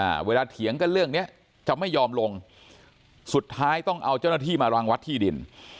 เวลาเถียงกันเรื่องเนี้ยจะไม่ยอมลงสุดท้ายต้องเอาเจ้าหน้าที่มารังวัดที่ดิน